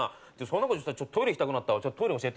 そんなことしてたらトイレ行きたくなったわどこ？